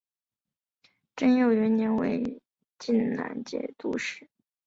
贞佑元年为静难军节度使。